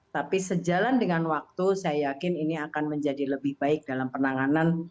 tapi sejalan dengan waktu saya yakin ini akan menjadi lebih baik dalam penanganan